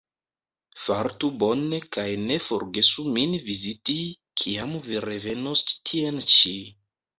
Fartu bone kaj ne forgesu min viziti, kiam vi revenos tien ĉi.